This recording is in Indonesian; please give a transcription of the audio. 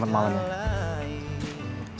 selamat malam ya